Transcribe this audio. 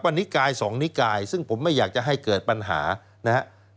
วันนี้กายสองนิกายซึ่งผมไม่อยากจะให้เกิดปัญหานะครับ